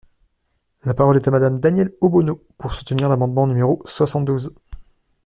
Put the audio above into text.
La parole est à Madame Danièle Obono, pour soutenir l’amendement numéro soixante-douze.